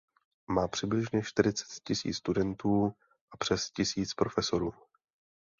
Má přibližně čtyřicet tisíc studentů a přes tisíc profesorů.